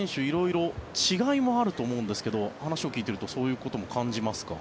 色々、違いもあると思うんですが話を聞いているとそういうことも感じますか？